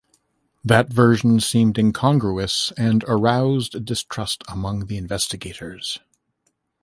That version seemed incongruous and aroused distrust among the investigators.